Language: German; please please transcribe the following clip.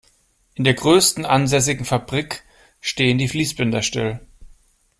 In der größten ansässigen Fabrik stehen die Fließbänder still.